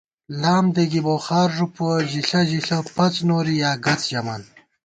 لام دېگِ بُخار ݫُپُوَہ، ژِݪہ ژِݪہ پَڅ نوری یا گَڅ ژمان